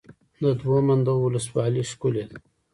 د دوه منده ولسوالۍ ښکلې ده